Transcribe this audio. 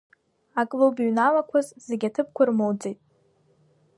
Аклуб иҩналақәаз, зегьы аҭыԥқәа рмоуӡеит.